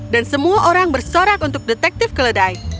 dan semua orang bersorak untuk detektif keledai